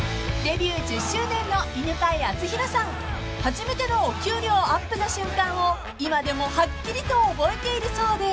［初めてのお給料アップの瞬間を今でもはっきりと覚えているそうで］